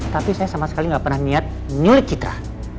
tapi saya sama sekali gak pernah niat milik citra